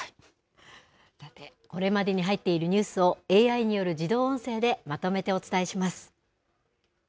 さて、これまでに入っているニュースをＡＩによる自動音声でまとめてお伝えします。